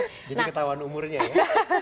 jadi ketahuan umurnya ya